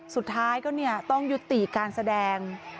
สุดท้ายก็ต้องยุติการแสดง